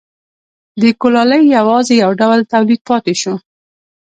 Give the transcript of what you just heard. د کولالۍ یوازې یو ډول تولید پاتې شو